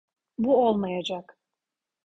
Bu olmayacak.